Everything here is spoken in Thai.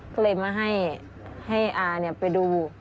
ก็เลยมาให้ให้อ้านี่ไปดู